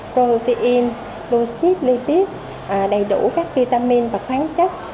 protein rid lipid đầy đủ các vitamin và khoáng chất